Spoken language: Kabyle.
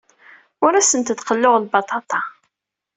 Ur asent-d-qelluɣ lbaṭaṭa.